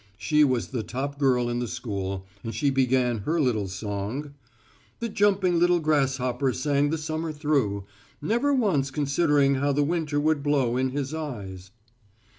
She was the top girl in the school and she began her little song: "The jumping little grasshopper sang the summer through, Never once considering how the winter would blow in his eyes."